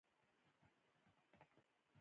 نن د ایران د اټومي فعالیتونو په اړه